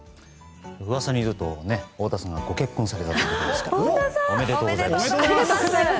噂によると太田さんがご結婚されたということでおめでとうございます！